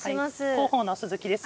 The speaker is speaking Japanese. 広報の鈴木です。